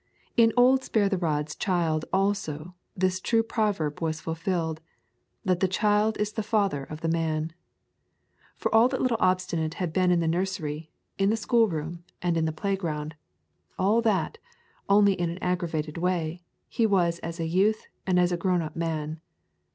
In old Spare the Rod's child also this true proverb was fulfilled, that the child is the father of the man. For all that little Obstinate had been in the nursery, in the schoolroom, and in the playground all that, only in an aggravated way he was as a youth and as a grown up man.